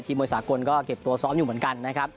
มวยสากลก็เก็บตัวซ้อมอยู่เหมือนกันนะครับ